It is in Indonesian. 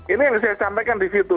ini yang saya sampaikan di situ